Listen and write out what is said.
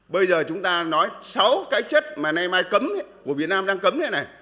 bây giờ chúng ta nói sáu cái chất mà nay mai cấm của việt nam đang cấm thế này này